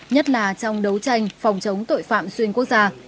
nhất là trong đấu tranh phòng chống tội phạm xuyên quốc gia